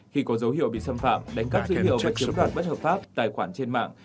khi có dấu hiệu bị xâm phạm đánh cắt dữ hiệu và kiếm đoạn bất hợp pháp tài khoản trên mạng